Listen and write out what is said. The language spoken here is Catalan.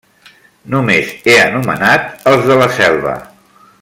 Només he anomenat els de la Selva.